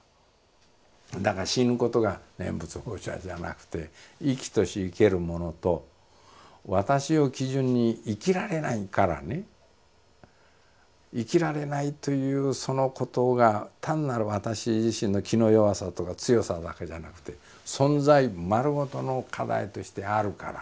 だから死ぬことが念仏往生じゃなくて生きとし生けるものと私を基準に生きられないからね生きられないというそのことが単なる私自身の気の弱さとか強さだけじゃなくて存在丸ごとの課題としてあるからね。